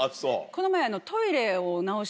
この前。